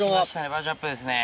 バージョンアップですね。